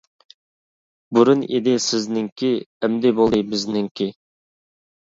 بۇرۇن ئىدى سىزنىڭكى، ئەمدى بولدى بىزنىڭكى.